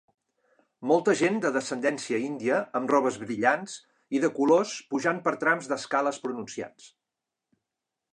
Molta gent de descendència índia amb robes brillants i de colors pujant per trams d'escales pronunciats.